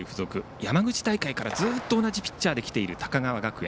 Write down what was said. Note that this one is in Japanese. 山口大会からずっと同じピッチャーの高川学園。